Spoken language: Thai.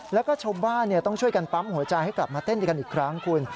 แล้วก็ชาวบ้านต้องช่วยกันปั๊มหัวใจให้กลับมาเต้นด้วยกันอีกครั้งคุณ